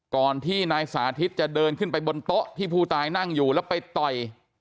ก่อนที่นายสาธิตจะเดินขึ้นไปบนโต๊ะที่ผู้ตายนั่งอยู่แล้วไปต่อย